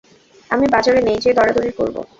আমি বাজারে নেই যে দরাদরির করবো।